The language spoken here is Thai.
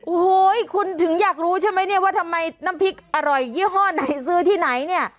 โอ้โหคุณถึงอยากรู้ใช่ไหมเนี่ยว่าทำไมน้ำพริกอร่อยยี่ห้อไหนซื้อที่ไหนเนี่ย